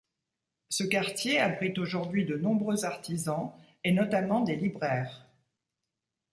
Ce quartier abrite aujourd'hui de nombreux artisans et notamment des libraires.